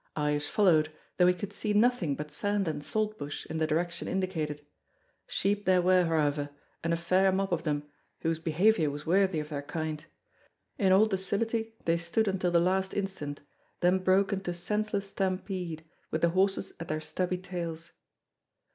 Ives followed, though he could see nothing but sand and saltbush in the direction indicated. Sheep there were, however, and a fair mob of them, whose behaviour was worthy of their kind. In all docility they stood until the last instant, then broke into senseless stampede, with the horses at their stubby tails.